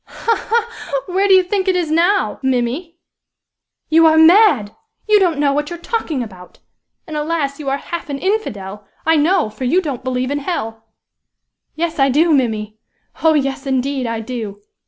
"Ha! ha! Where do you think it is now, Mimmy?" "You are mad! You don't know what you're talking about! And, alas! you are half an infidel, I know, for you don't believe in hell!" "Yes, I do, Mimmy! Oh! yes, indeed I do!